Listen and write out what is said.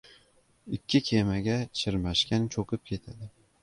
• Ikki kemaga chirmashgan cho‘kib ketadi.